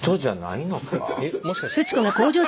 えっもしかして。